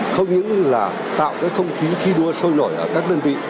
không những là tạo cái không khí thi đua sôi nổi ở các đơn vị